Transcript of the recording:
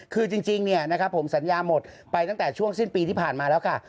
คือจริงผมสัญญาหมดไปตั้งแต่ช่วงสิ้นปีที่ผ่านมาแล้วค่ะ